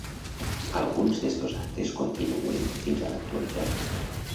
Alguns d'estos actes continuen fins a l'actualitat.